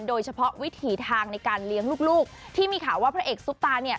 โดยเฉพาะวิถีทางในการเลี้ยงลูกที่มีข่าวว่าพระเอกซุปตาเนี่ย